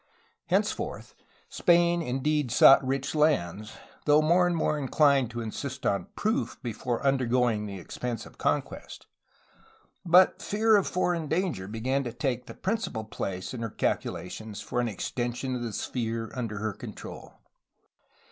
Henceforth Spain indeed sought rich lands, though more and more inclined to insist on proof before undergoing the expense of conquest, but fear of foreign danger began to take the principal place in her calculations for an extension of the sphere under her control.